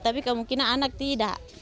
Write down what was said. tapi kemungkinan anak tidak